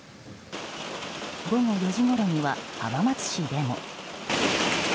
午後４時ごろには、浜松市でも。